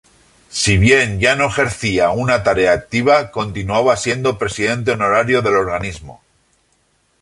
Si bien ya no ejercía una tarea activa, continuaba siendo presidente honorario del organismo.